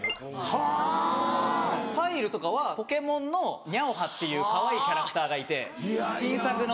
ファイルとかは『ポケモン』のニャオハっていうかわいいキャラクターがいて新作の。